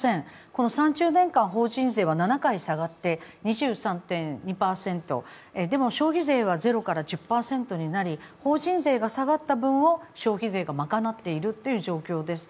この３０年間、法人税は７回下がって、２３．２％、でも消費税は０から１０％になり、法人税が下がった分を消費税がまかなっているという状況です。